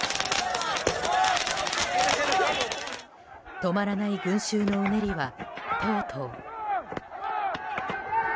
止まらない群衆のうねりはとうとう。